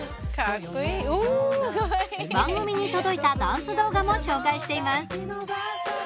番組に届いたダンス動画も紹介しています。